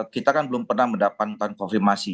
kita kan belum pernah mendapatkan konfirmasi